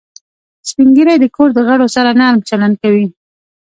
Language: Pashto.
سپین ږیری د کور د غړو سره نرم چلند کوي